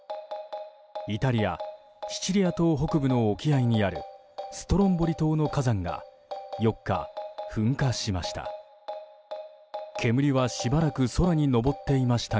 イタリア・シチリア島北部の沖合にあるストロンボリ島の火山が４日、噴火しました。